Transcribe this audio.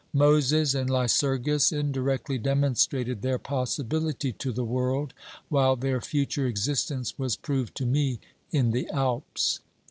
Moses and Lycurgus indirectly demonstrated their possibility to the world, 354 OBERMANN while their future existence was proved to me in the Alps.